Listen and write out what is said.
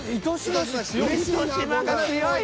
糸島が強い。